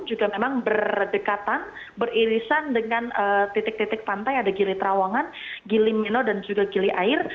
juga memang berdekatan beririsan dengan titik titik pantai ada gili trawangan gili mino dan juga gili air